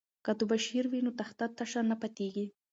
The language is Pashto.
که تباشیر وي نو تخته تشه نه پاتیږي.